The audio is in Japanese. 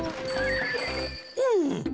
うん！